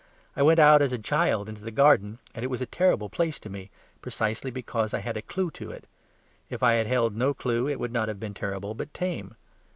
I went out as a child into the garden, and it was a terrible place to me, precisely because I had a clue to it: if I had held no clue it would not have been terrible, but tame.